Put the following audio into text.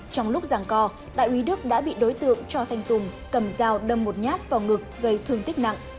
trong lúc giảng co đại úy đức đã bị đối tượng cho thanh tùng cầm dao đâm một nhát vào ngực gây thương tích nặng